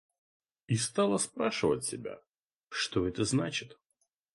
И стала спрашивать себя, что это значит.